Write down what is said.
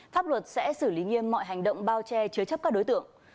pháp luật sẽ xử lý nghiêm mọi hành động bao che chứa chấp các đối tượng